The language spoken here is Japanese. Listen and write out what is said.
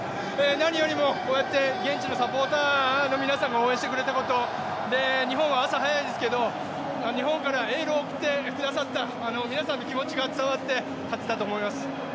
何よりも、こうやって現地のサポーターの皆さんが応援してくれたこと、日本は朝早いですけど、日本からエールを送ってくださった皆さんの気持ちが伝わって勝てたと思います。